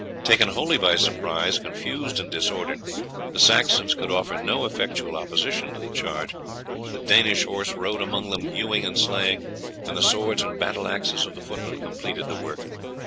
Taken wholly by surprise, confused and disordered, the Saxons could offer no effectual opposition to the charge. The Danish horse rode among them hewing and slaying, and the swords and battle axes of the footmen completed the work.